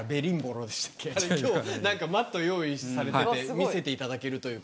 今日マット用意されてて見せていただけるということで。